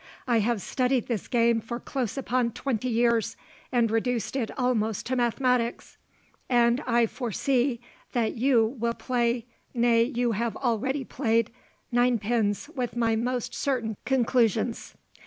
I have studied this game for close upon twenty years, and reduced it almost to mathematics; and I foresee that you will play nay, you have already played ninepins with my most certain conclusions.